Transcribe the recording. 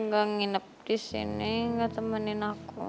gak nginep disini gak temenin aku